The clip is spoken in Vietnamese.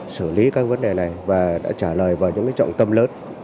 xử lý các vấn đề này và đã trả lời vào những trọng tâm lớn